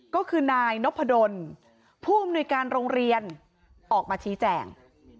ก็คือนายนพดลผู้อำนวยการโรงเรียนออกมาชี้แจง